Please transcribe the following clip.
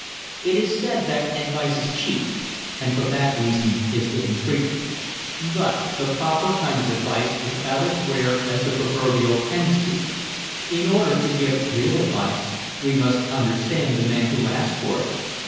It is said that advice is cheap and for that reason is given freely. But the proper kind of advice is about as rare as the proverbial hen's tooth. In order to give real advice we must understand the man who asks for it.